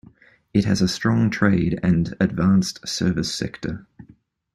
It has a strong trade and advanced service sector.